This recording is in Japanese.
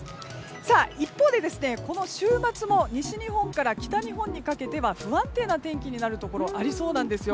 一方で、この週末も西日本から北日本にかけては不安定な天気になるところありそうなんですよ。